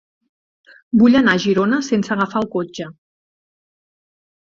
Vull anar a Girona sense agafar el cotxe.